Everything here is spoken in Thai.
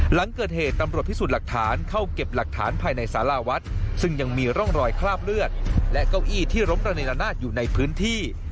หลังเกิดเหตุตำรวจพิสูจน์หลักฐานเข้าเก็บหลักฐานภายในสาราวัดซึ่งยังมีร่องรอยคราบเลือดและเก้าอี้ที่ล้มระเนรนาศอยู่ในพื้นที่